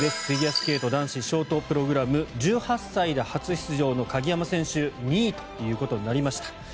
フィギュアスケート男子ショートプログラム１８歳で初出場の鍵山選手２位ということになりました。